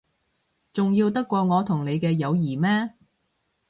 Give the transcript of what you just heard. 重要得過我同你嘅友誼咩？